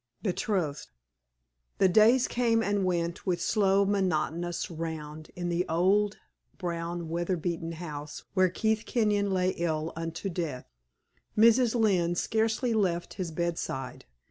BETROTHED. The days came and went with slow, monotonous round in the old brown, weather beaten house where Keith Kenyon lay ill unto death. Mrs. Lynne scarcely left his bedside.